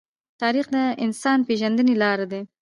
تاریخ د انسان د پېژندنې لار دی.